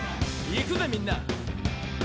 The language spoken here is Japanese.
「いくぜみんな」